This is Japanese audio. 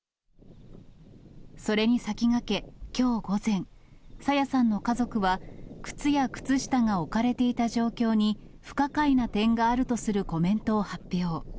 それに先駆け、きょう午前、朝芽さんの家族は、靴や靴下が置かれていた状況に不可解な点があるとするコメントを発表。